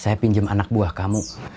saya pinjam anak buah kamu